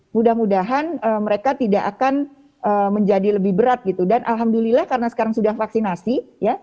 mudah mudahan mereka tidak akan menjadi lebih berat gitu dan alhamdulillah karena sekarang sudah vaksinasi ya